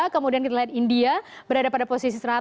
kemudian kita lihat india berada pada posisi seratus